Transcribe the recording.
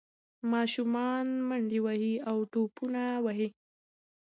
ماشومان منډې وهي او ټوپونه وهي.